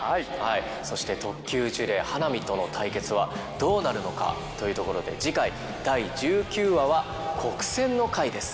そして特級呪霊花御との対決はどうなるのかというところで次回第１９話は「黒閃」の回です。